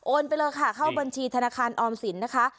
ไปเลยค่ะเข้าบัญชีธนาคารออมสินนะคะ